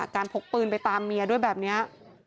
พกปืนไปตามเมียด้วยแบบนี้